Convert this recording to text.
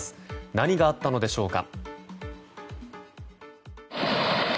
何があったのでしょうか。